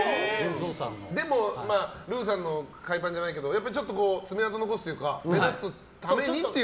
でもルーさんの海パンじゃないけど爪痕を残すというか目立つためにっていう？